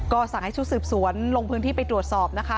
ก็สั่งให้ชุดสืบสวนลงพื้นที่ไปตรวจสอบนะคะ